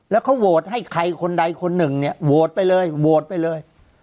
แล้วเขาโหวตให้ใครคนใดคนหนึ่งเนี่ยโหวตไปเลยโหวตไปเลย